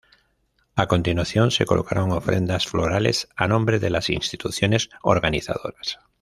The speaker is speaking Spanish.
A continuación se colocaron ofrendas florales a nombre de las instituciones organizadoras.